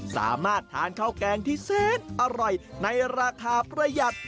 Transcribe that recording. สามารถทานข้าวแกงที่แสนอร่อยในราคาประหยัด